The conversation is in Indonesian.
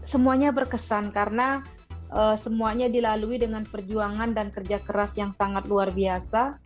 semuanya berkesan karena semuanya dilalui dengan perjuangan dan kerja keras yang sangat luar biasa